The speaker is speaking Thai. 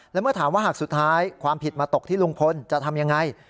แล้วเมื่อถามว่าหากสุดท้ายความผิดมาตกที่ลุงพลจะทำยังไง